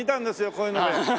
こういうので。